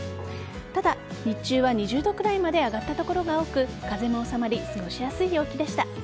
ただ、日中は２０度くらいまで上がった所が多く風も収まり過ごしやすい陽気でした。